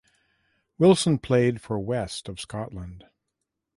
Wilson played for West of Scotland.